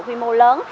quy mô lớn